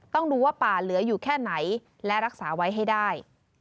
ต้องดูว่าป่าเหลืออยู่แค่ไหนและรักษาไว้ให้ได้